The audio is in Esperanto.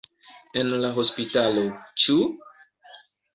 En la hospitalo, ĉu?